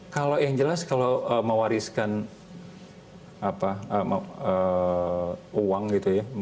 kalau yang jelas kalau mewariskan uang gitu ya